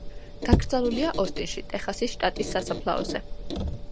დაკრძალულია ოსტინში, ტეხასის შტატის სასაფლაოზე.